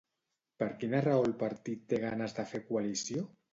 Per quina raó el partit té ganes de fer coalició?